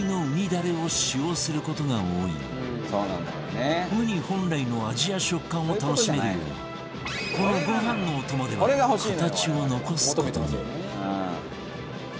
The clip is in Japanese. だれを使用する事が多いがウニ本来の味や食感を楽しめるようにこのご飯のお供では形を残す事に